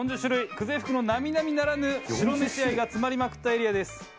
久世福の並々ならぬ白飯愛が詰まりまくったエリアです。